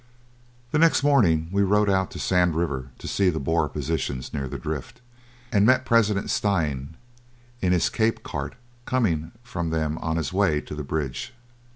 The next morning we rode out to the Sand River to see the Boer positions near the drift, and met President Steyn in his Cape cart coming from them on his way to the bridge.